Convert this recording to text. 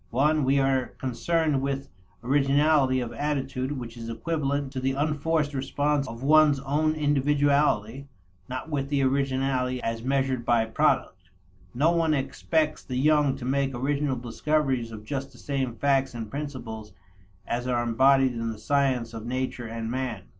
(i) We are concerned with originality of attitude which is equivalent to the unforced response of one's own individuality, not with originality as measured by product. No one expects the young to make original discoveries of just the same facts and principles as are embodied in the sciences of nature and man.